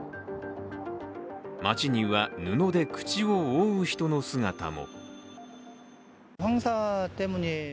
街には、布で口を覆う人の姿も。